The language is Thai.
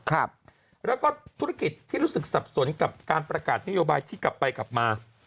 ครับแล้วก็ธุรกิจที่รู้สึกสับสนกับการประกาศนโยบายที่กลับไปกลับมา